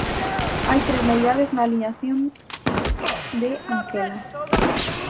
Hai tres novidades na aliñación de Anquela.